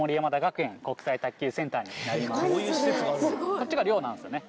こっちが寮なんですよね。